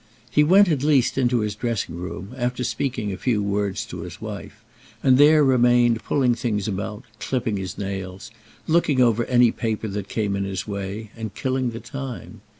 He went, at least, into his dressing room, after speaking a few words to his wife, and there remained, pulling things about, clipping his nails, looking over any paper that came in his way, and killing the time.